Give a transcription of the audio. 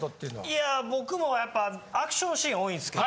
いや僕もやっぱアクションシーン多いんですけど。